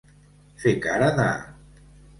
Fer cara de.